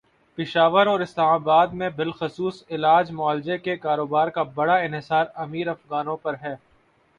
پشاور اور اسلام آباد میں بالخصوص علاج معالجے کے کاروبارکا بڑا انحصارامیر افغانوں پر ہے۔